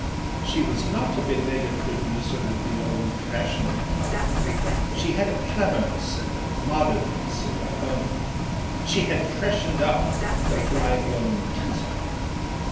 She was not a belated producer of the old fashionable novel, she had a cleverness and a modernness of her own, she had freshened up the fly blown tinsel.